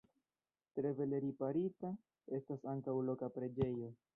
Tre bele riparita estas ankaŭ loka preĝejo.